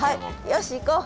よし行こう！